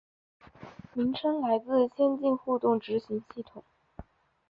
名称来自先进互动执行系统。